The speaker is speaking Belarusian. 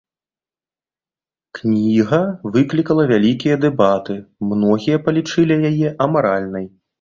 Кніга выклікала вялікія дэбаты, многія палічылі яе амаральнай.